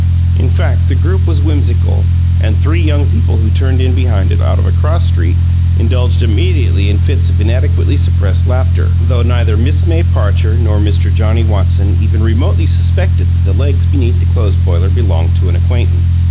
In fact, the group was whimsical, and three young people who turned in behind it, out of a cross street, indulged immediately in fits of inadequately suppressed laughter, though neither Miss May Parcher nor Mr. Johnnie Watson even remotely suspected that the legs beneath the clothes boiler belonged to an acquaintance.